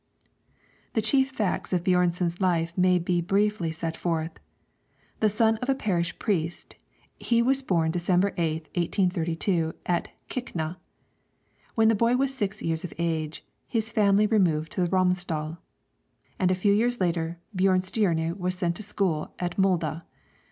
[Illustration: BJÖRNSON] The chief facts of Björnson's life may be briefly set forth. The son of a parish priest, he was born December 8th, 1832, at Kvikne. When the boy was six years of age, his family removed to the Romsdal, and a few years later Björnstjerne was sent to school at Molde.